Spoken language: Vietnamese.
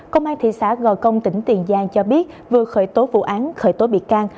công an thị xã gò công tỉnh tiền giang cho biết vừa khởi tố vụ án khởi tố bị can